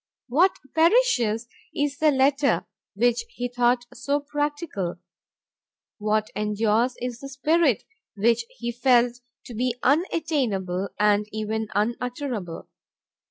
What perishes is the letter, which he thought so practical. What endures is the spirit, which he felt to be unattainable and even unutterable.